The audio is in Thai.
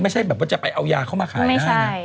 ไม่ใช่แบบว่าจะไปเอายาเข้ามาขายได้นะ